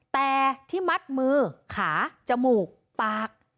แต่ที่มัดมือขาจมูกปาก